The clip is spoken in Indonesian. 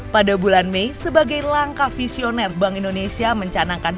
pada bulan mei sebagai langkah visioner bank indonesia mencanangkan